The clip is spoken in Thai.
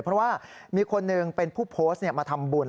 เพราะว่ามีคนหนึ่งเป็นผู้โพสต์มาทำบุญ